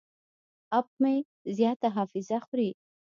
اپ مې زیاته حافظه خوري.